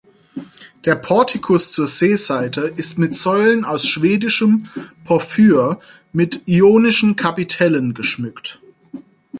Der Portikus zur Seeseite ist mit Säulen aus schwedischem Porphyr mit ionischen Kapitellen geschmückt.